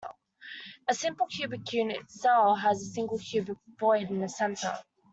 A simple cubic unit cell has a single cubic void in the center.